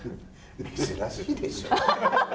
珍しいでしょう。